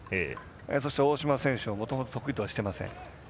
そして大島選手をもともと得意としていません。